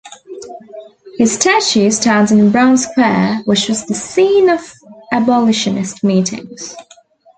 His statue stands in Brown Square, which was the scene of abolitionist meetings.